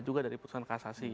juga dari putusan kasasi